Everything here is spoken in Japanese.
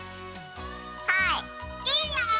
はい！